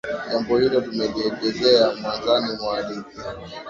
jambo hilo tumelielezea mwanzani mwa hadithi